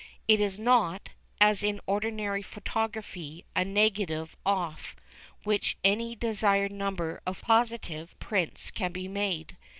It is not, as in ordinary photography, a negative off which any desired number of positive prints can be made.